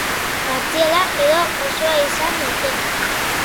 Partziala edo osoa izan daiteke.